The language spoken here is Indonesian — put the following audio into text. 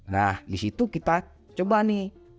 nah disitu kita coba nih